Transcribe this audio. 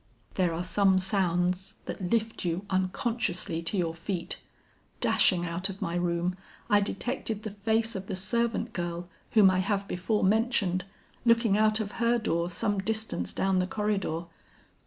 "There are some sounds that lift you unconsciously to your feet. Dashing out of my room, I detected the face of the servant girl whom I have before mentioned, looking out of her door some distance down the corridor.